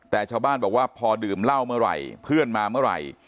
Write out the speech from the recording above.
แต่ชาวบ้านบอกว่าพอดื่มเหล้าเมื่อไหร่เพื่อนมาเมื่อไหร่